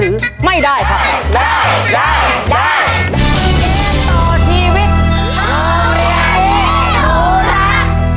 อยู่ตรงหน้าเนี่ย